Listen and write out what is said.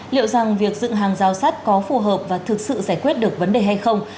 liệu rằng việc dựng hàng giao sát có phù hợp và thực sự giải quyết được vấn đề hay không